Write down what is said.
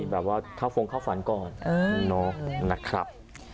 แบบว่าเข้าฟงเข้าฝันก่อนนะครับ